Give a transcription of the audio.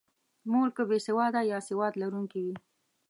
مور که بې سواده یا سواد لرونکې وي.